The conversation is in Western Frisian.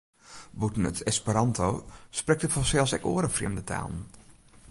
Bûten Esperanto sprekt er fansels ek oare frjemde talen.